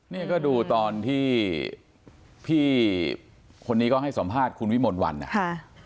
เนี้ยก็ดูตอนที่พี่คนนี้ก็ให้สอบภาษณ์คุณวิมนต์วันอ่ะค่ะ